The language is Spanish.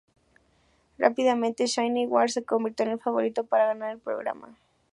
Rápidamente Shayne Ward se convirtió en el favorito para ganar el programa.